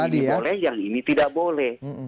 jangan yang ini boleh yang ini tidak boleh